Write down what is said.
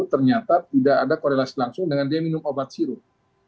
ternyata tidak ada korelasi langsung dengan dia minum obat sirup